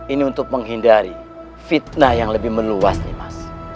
ini untuk menghindari fitnah yang lebih meluas nimas